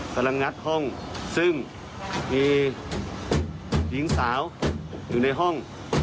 กำลังงัดห้องซึ่งมีหญิงสาวอยู่ในห้อง